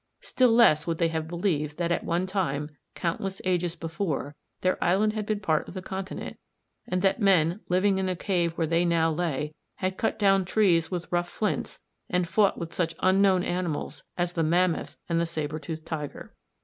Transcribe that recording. Still less would they have believed that at one time, countless ages before, their island had been part of the continent, and that men, living in the cave where they now lay, had cut down trees with rough flints, and fought with such unknown animals as the mammoth and the sabre toothed tiger.